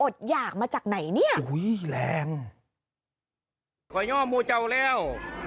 หยากมาจากไหนเนี่ยอุ้ยแรงขอย่อโมเจ้าแล้ว